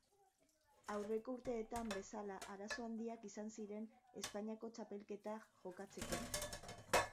Aurreko urteetan bezala arazo handiak izan ziren Espainiako Txapelketa jokatzeko.